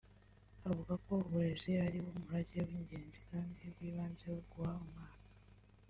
avuga ko uburezi ari wo murage w’ingenzi kandi w’ibanze wo guha umwana